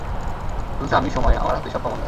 অথচ আমিই সময়, আমার হাতেই সব ক্ষমতা।